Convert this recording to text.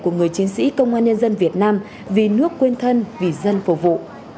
của người chiến sĩ công an nhân dân việt nam vì nước quên thân vì dân phục vụ